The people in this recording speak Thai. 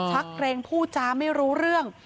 ชักเกรงพูดจาไม่รู้เรื่อง